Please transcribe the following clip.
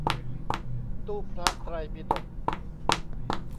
ตู้พระไตรปิฎก